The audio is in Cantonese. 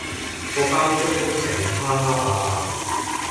個包租公成日蝦蝦霸霸